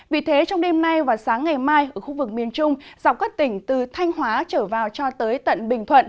vì thế trong đêm nay và sáng ngày mai ở khu vực miền trung dọc các tỉnh từ thanh hóa trở vào cho tới tận bình thuận